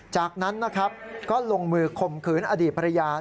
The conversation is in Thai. จากนั้นนะครับก็ลงมือข่มขืนอดีตภรรยา